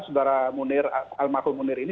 saudara munir al maklum munir ini